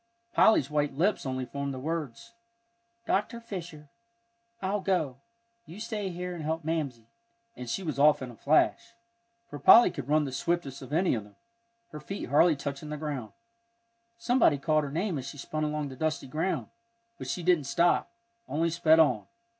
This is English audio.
Polly's white lips only formed the words, "Dr. Fisher I'll go you stay here and help Mamsie," and she was off in a flash. For Polly could run the swiftest of any of them, her feet hardly touching the ground. Somebody called her name as she spun along the dusty ground, but she didn't stop only sped on.